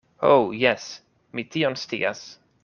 Ho, jes, mi tion scias.